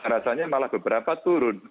rasanya malah beberapa turun